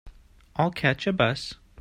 I'll catch a bus.